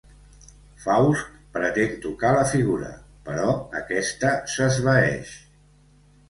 Faust pretén tocar la figura, però aquesta s'esvaeix.